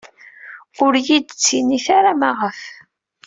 Ur iyi-d-ttinit ara maɣef.